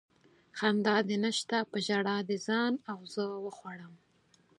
خندا دې نشته په ژړا دې ځان او زه وخوړم